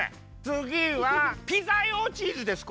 つぎはピザ用チーズです。